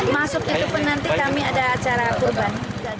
masuk itu pun nanti kami ada acara kurban